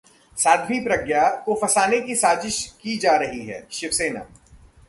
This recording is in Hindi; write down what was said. साध्वी प्रज्ञा को फंसाने की साजिश की जा रही हैः शिवसेना